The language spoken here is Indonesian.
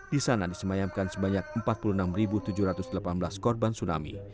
di sana disemayamkan sebanyak empat puluh enam tujuh ratus delapan belas korban tsunami